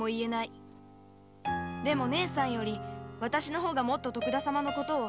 「でも姉さんよりわたしの方がもっと徳田様のことを」